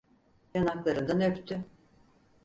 Yanaklarından öptü...